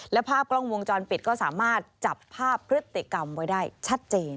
และภาพกล้องวงจรปิดก็สามารถจับภาพพฤติกรรมไว้ได้ชัดเจน